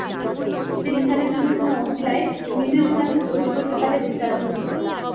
সে নীহারের জন্য কোনো অছিলায় নিজের কোনো একটা ক্ষতি করতে পারলে কৃতার্থ হত।